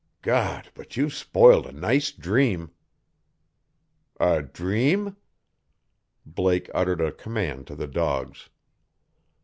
God, but you've spoiled a nice dream!" "A dream?" Blake uttered a command to the dogs.